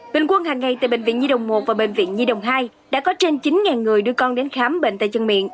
bình quân hàng ngày tại bệnh viện nhi đồng một và bệnh viện nhi đồng hai đã có trên chín người đưa con đến khám bệnh tay chân miệng